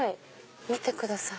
見てください。